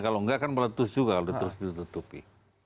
kalau tidak akan meletus juga kalau terus ditutupi